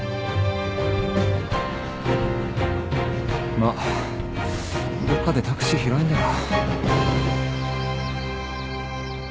まっどっかでタクシー拾えんだろ。